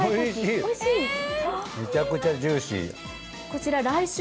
おいしい、めちゃくちゃジューシー。